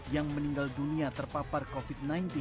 yang meninggal dunia terpapar covid sembilan belas